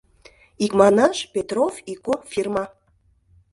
Икманаш, «Петрофф и Ко» фирма.